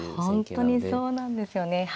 本当にそうなんですよね。